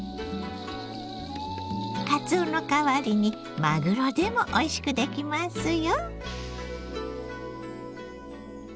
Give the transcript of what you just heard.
かつおの代わりにマグロでもおいしくできますよ。